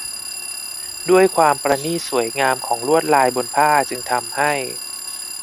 ด้วยความประณีตสวยงามของลวดลายบนผ้าจึงทำให้